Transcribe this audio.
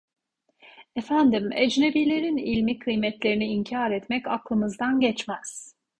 Efendim, ecnebilerin ilmi kıymetlerini inkar etmek aklımızdan geçmez.